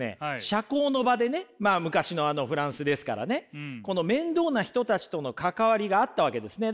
社交の場でねまあ昔のフランスですからねこの面倒な人たちとの関わりがあったわけですね。